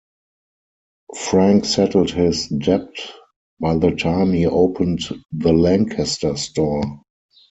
Frank settled his debt by the time he opened the Lancaster store.